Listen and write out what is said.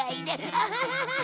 アハハハハッ！